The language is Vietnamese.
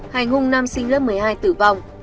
hành hung nam sinh lớp một mươi hai tử vong